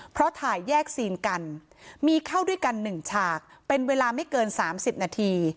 เพราะถ่ายแยกซีนกันมีเข้าด้วยกัน๑ฉากเป็นเวลาไม่เกิน๓๐นาที